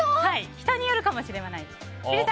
人によるかもしれないです。